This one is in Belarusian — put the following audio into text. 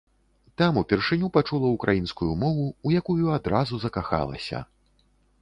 Там упершыню пачула ўкраінскую мову, у якую адразу закахалася.